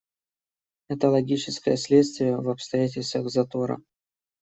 Это логическое следствие в обстоятельствах затора.